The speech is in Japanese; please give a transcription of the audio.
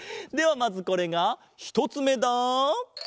まずこれがひとつめだ。